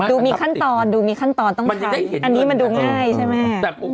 ดูมีขั้นตอนต้องขายอันนี้มันดูง่ายใช่ไหม